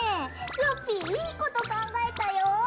ラッピィいいこと考えたよ。